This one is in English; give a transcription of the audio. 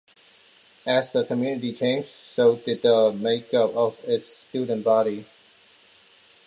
As the community changed, so did the makeup of its student body.